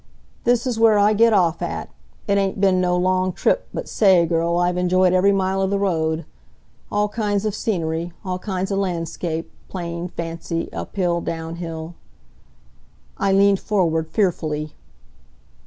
"This is where I get off at. It ain't been no long trip, but sa a ay, girl, I've enjoyed every mile of the road. All kinds of scenery all kinds of lan'scape plain fancy uphill downhill " I leaned forward, fearfully.